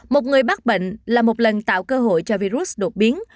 một người mắc bệnh là một lần tạo cơ hội cho virus đột biến